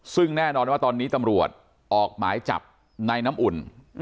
ซึ่งแน่นอนว่าตอนนี้ตำรวจออกหมายจับในน้ำอุ่น